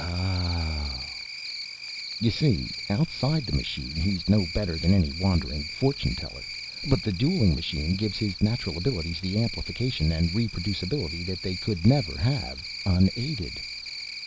"Ohhh." "You see ... outside the machine, he's no better than any wandering fortuneteller. But the dueling machine gives his natural abilities the amplification and reproducibility that they could never have unaided."